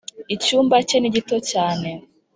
icyumba cye ni gito cyane.